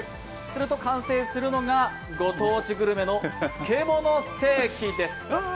すると完成するのがご当地グルメの漬物ステーキです。